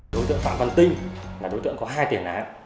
đối tượng phán văn tinh đối tượng có hai tiền á